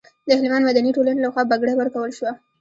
د هلمند مدني ټولنې لخوا بګړۍ ورکول شوه.